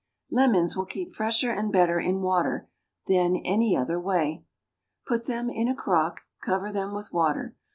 Lemons will keep fresher and better in water than any other way. Put them in a crock, cover them with water.